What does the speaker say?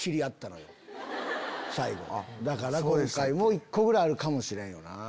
だから今回も１個ぐらいあるかもしれんよな。